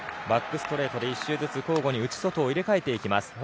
バックストレートで１周ずつ内、外を入れ替えていきます。